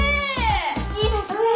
いいですね！